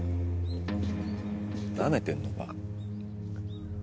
なめてんのか？